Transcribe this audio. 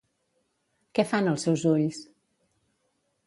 Què fan els seus ulls?